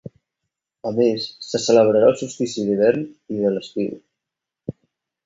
A més, se celebrarà el solstici d’hivern i de l’estiu.